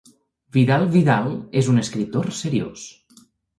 Vidal Vidal és un escriptor seriós.